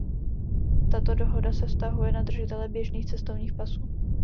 Tato dohoda se vztahuje na držitele běžných cestovních pasů.